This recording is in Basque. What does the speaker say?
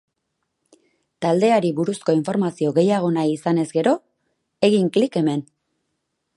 Taldeari buruzko informazio gehiago nahi izanez gero, egin klik hemen.